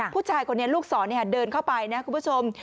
ผู้ชายคนนี้ลูกศรเดินเข้าไปนะคุณผู้ชม